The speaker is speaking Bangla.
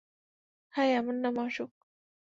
হাই, আমার নাম, আশোক।